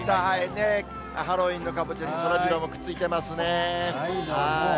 ハロウィーンのカボチャ、そらジローもくっついてますね。